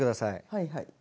はいはい。